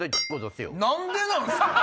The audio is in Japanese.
何でなんすか！